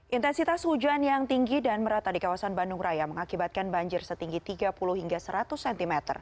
intensitas hujan yang tinggi dan merata di kawasan bandung raya mengakibatkan banjir setinggi tiga puluh hingga seratus cm